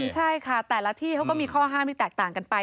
ใช่ค่ะแต่ละที่เขาก็มีข้อห้ามที่แตกต่างกันไป